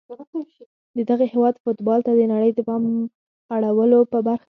د دغه هیواد فوتبال ته د نړۍ د پام اړولو په برخه کې